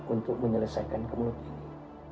untuk menyelesaikan kemulut ini